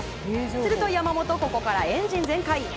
すると山本ここからエンジン全開。